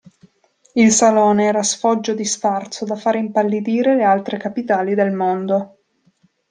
Il salone era sfoggio di sfarzo da far impallidire le altre capitali del mondo.